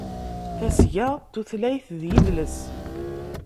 Tasga n Tutlayt d Yidles.